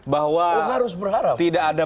bahwa tidak ada